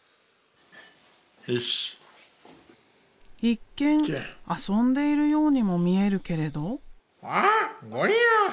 一見遊んでいるようにも見えるけれど。